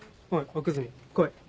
奥泉来い。